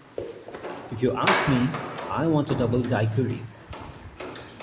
If you ask me, I want a double daiquiri.